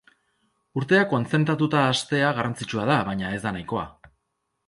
Urtea kontzentratuta hastea garrantzitsua da, baina ez da nahikoa.